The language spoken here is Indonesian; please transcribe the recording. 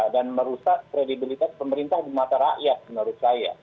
dan merusak kredibilitas pemerintah di mata rakyat menurut saya